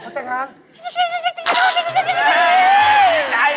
เขาแต่งงาน